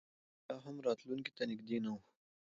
لون وولف لاهم راتلونکي ته نږدې نه و